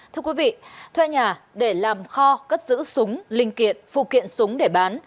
thưa quý vị thuê nhà để làm kho cất giữ súng linh kiện phụ kiện súng để bán